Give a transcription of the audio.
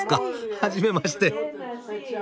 はじめまして。